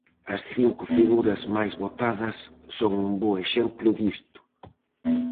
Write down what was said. As cinco figuras máis votadas son un bo exemplo disto.